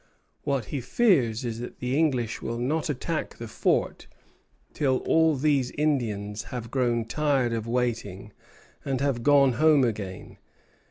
What he fears is that the English will not attack the fort till all these Indians have grown tired of waiting, and have gone home again.